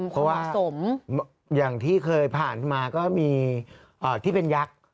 เพราะว่าอย่างที่เคยผ่านมาก็มีที่เป็นยักษ์